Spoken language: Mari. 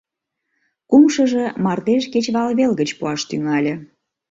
Кумшыжо, мардеж кечывалвел гыч пуаш тӱҥале.